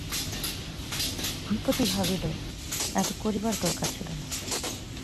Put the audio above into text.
ভূপতি ভাবিল, এত করিবার দরকার ছিল না।